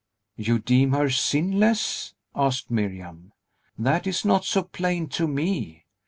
"You deem her sinless?" asked Miriam; "that is not so plain to me.